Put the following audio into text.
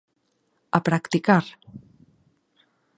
¡A practicar!